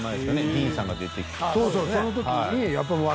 ディーンさんが出てきた。